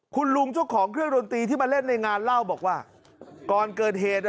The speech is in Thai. คุณลุงเจ้าของเครื่องดนตรีที่มาเล่นในงานเล่าบอกว่าก่อนเกิดเหตุอ่ะ